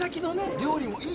料理もいいよ。